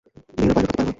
মেয়েরা পাইলট হতে পারে না।